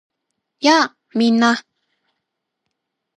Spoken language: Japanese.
やあ！みんな